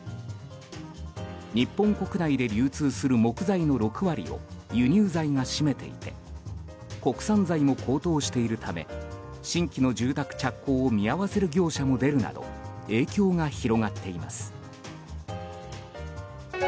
日本国内で流通する木材の６割を輸入材が占めていて国産材も高騰しているため新規の住宅着工を見合わせる業者も出るなど影響が広がっています。